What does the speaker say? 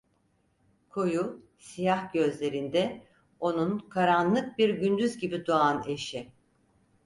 Koyu, siyah gözlerinde onun, karanlık bir gündüz gibi doğan eşi: